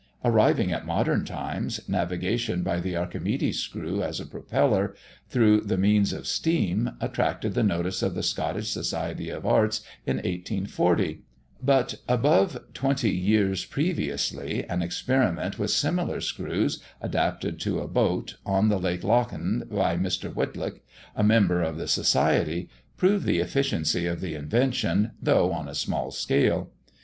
Arriving at modern times, navigation by the Archimedes screw, as a propeller, through the means of steam, attracted the notice of the Scottish Society of Arts in 1840; but, above twenty years previously, an experiment with similar screws, adapted to a boat, on the lake Lochend, by Mr. Whytock, a member of the Society, proved the efficiency of the invention, though on a small scale.